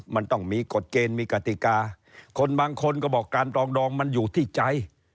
มันต้องมีกฎเกณฑ์มีกติกาคนบางคนก็บอกการปรองดองมันอยู่ที่ใจ